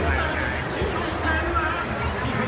วันนี้ก็เป็นปีนี้